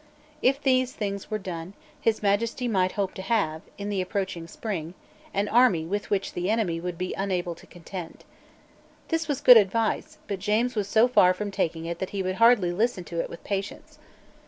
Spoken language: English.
If these things were done, His Majesty might hope to have, in the approaching spring, an army with which the enemy would be unable to contend. This was good advice; but James was so far from taking it that he would hardly listen to it with patience.